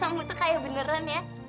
kamu tuh kayak beneran ya